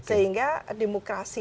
dan kemudian ada yang ikut dalam keputusan